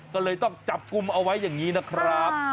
ก็เลยต้องจับกลุ่มเอาไว้อย่างนี้นะครับ